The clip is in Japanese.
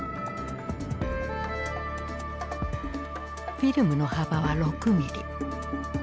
フィルムの幅は６ミリ。